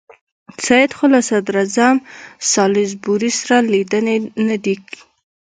سید خو له صدراعظم سالیزبوري سره لیدلي نه دي.